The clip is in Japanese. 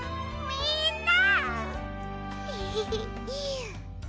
みんな！